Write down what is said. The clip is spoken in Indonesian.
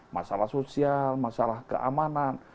masalah sosial masalah keamanan